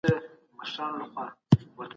اقتصادي تګلاري باید په ملي کچه تصویب سي.